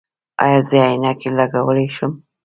ایا زه عینکې لګولی شم؟